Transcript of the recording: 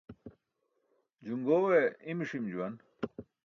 Juṅġoowe i̇mi̇ ṣim juwan.